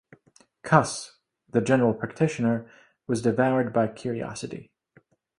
Cuss, the general practitioner, was devoured by curiosity.